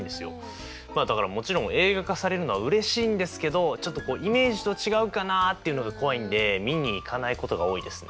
だからもちろん映画化されるのはうれしいんですけどちょっとイメージと違うかなっていうのが怖いんでみに行かないことが多いですね。